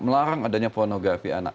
melarang adanya pornografi anak